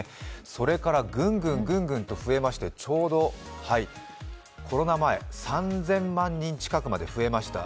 それからぐんぐん、ぐんぐんと増えまして、ちょうどコロナ前、３０００万人近くまで増えました。